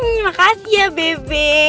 makasih ya beb